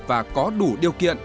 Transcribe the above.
và có đủ điều kiện